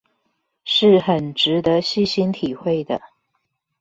是很值得細心體會的